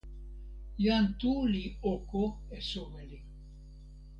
jan Tu li oko e soweli.